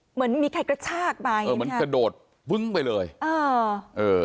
เหมือนมีใครกระชากไปเออเหมือนกระโดดบึ้งไปเลยเออเออ